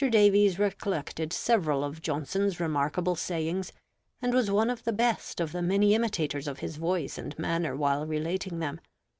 Davies recollected several of Johnson's remarkable sayings, and was one of the best of the many imitators of his voice and manner, while relating them.